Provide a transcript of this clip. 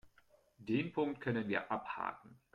Den Punkt können wir abhaken.